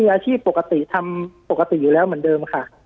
ปากกับภาคภูมิ